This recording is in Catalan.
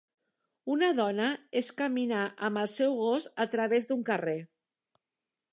Una dona és caminar amb el seu gos a través d'un carrer.